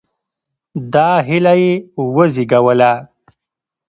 دا هیله یې وزېږوله.